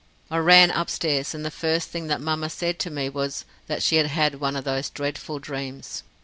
I ran upstairs and the first thing that mamma said to me was, that she had had one of those dreadful dreams."